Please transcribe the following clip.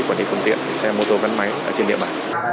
quản lý công tiện xe mô tô văn máy trên địa bàn